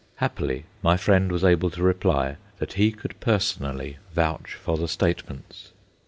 Happily, my friend was able to reply that he could personally vouch for the statements.